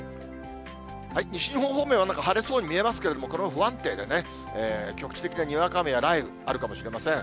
西日本方面はなんか、晴れそうに見えますけども、これも不安定でね、局地的なにわか雨や雷雨、あるかもしれません。